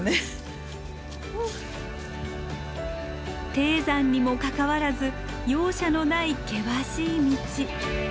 低山にもかかわらず容赦のない険しい道。